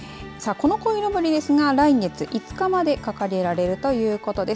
このこいのぼりですが来月５日まで掲げられるということです。